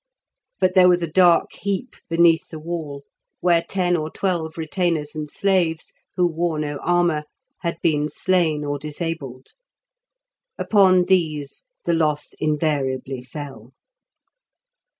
But there was a dark heap beneath the wall, where ten or twelve retainers and slaves, who wore no armour, had been slain or disabled. Upon these the loss invariably fell.